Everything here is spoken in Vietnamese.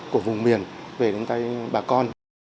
của vùng miền về đến tay bà con